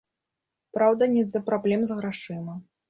Праўда, не з-за праблем з грашыма.